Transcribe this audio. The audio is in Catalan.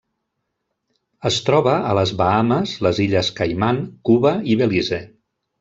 Es troba a les Bahames, les Illes Caiman, Cuba i Belize.